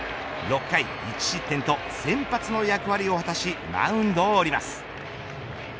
６回１失点と先発の役割を果たしマウンドを降ります。